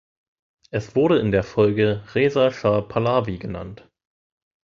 Er wurde in der Folge Reza Schah Pahlavi genannt.